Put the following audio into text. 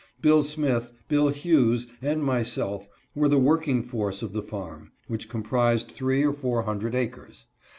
Bill Smith, Bill Hughes, and myself were the working force of the farm, which comprised three or four hundred acres.